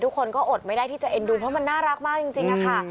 ทุกคนก็อดไม่ได้ที่จะเอ็นดูเพราะมันน่ารักมากจริงค่ะ